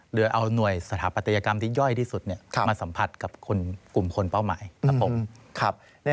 หรือเอาหน่วยสถาปัตยกรรมที่ย่อยที่สุดมาสัมผัสกับกลุ่มคนเป้าหมายครับผม